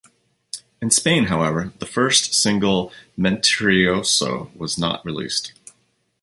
In Spain however the first single "Mentiroso" was not released.